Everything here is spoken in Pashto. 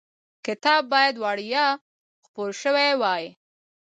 کتاب باید وړیا خپور شوی وای.